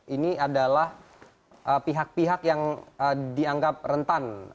ini adalah pihak pihak yang dianggap rentan